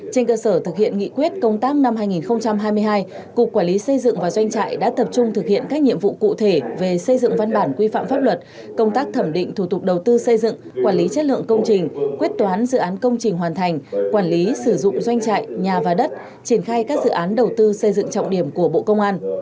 trên cơ sở thực hiện nghị quyết công tác năm hai nghìn hai mươi hai cục quản lý xây dựng và doanh trại đã tập trung thực hiện các nhiệm vụ cụ thể về xây dựng văn bản quy phạm pháp luật công tác thẩm định thủ tục đầu tư xây dựng quản lý chất lượng công trình quyết toán dự án công trình hoàn thành quản lý sử dụng doanh trại nhà và đất triển khai các dự án đầu tư xây dựng trọng điểm của bộ công an